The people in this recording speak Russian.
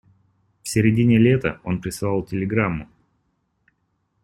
В середине лета он прислал телеграмму.